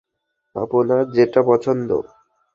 আপনার যেটা পছন্দ।